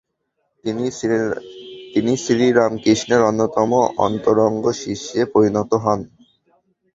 তিনি শ্রীরামকৃষ্ণের অন্যতম অন্তরঙ্গ শিষ্যে পরিণত হন।